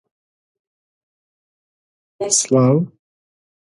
It is now listed on the Karachi Stock Exchange.